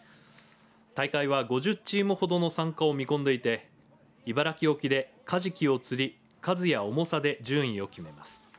大会は、５０チームほどの参加を見込んでいて茨城沖で、カジキを釣り数や重さで順位を決めます。